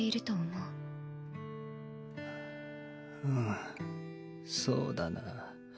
うんそうだな。